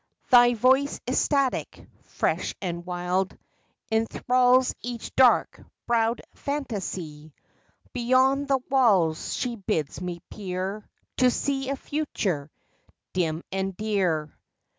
Thy voice ecstatic, fresh and wild, Enthralls each dark browed phantasy. Beyond the walls she bids me peer To see a Future, dim and dear ; HOPE.